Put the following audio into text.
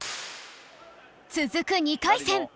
続く２回戦